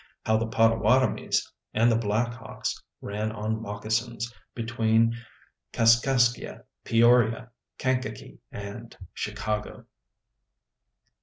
. how the Pottawattamies ... and the Blackhawks ... ran on moccasins ... between Kaskaskia, Peoria, Kankakee, and Chicago.